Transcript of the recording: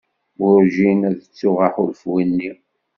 Werǧin ad ttuɣ aḥulfu-nni.